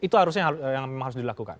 itu yang memang harus dilakukan